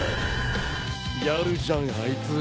やるじゃんあいつ。